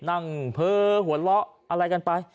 นั่งเผ้อหวนเลาะอะไรกันไป